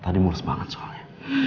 tadi murs banget soalnya